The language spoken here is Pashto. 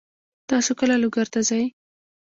تاسو کله لوګر ته ځئ؟